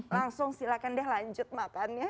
langsung silahkan deh lanjut makan ya